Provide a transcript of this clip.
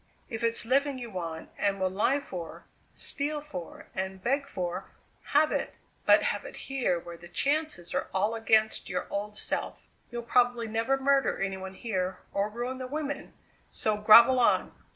If it's living you want and will lie for, steal for, and beg for have it; but have it here where the chances are all against your old self. You'll probably never murder any one here or ruin the women; so grovel on!"